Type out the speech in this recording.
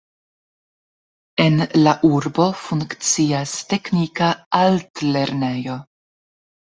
En la urbo funkcias teknika altlernejo.